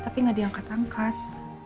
tapi gak diangkat angkat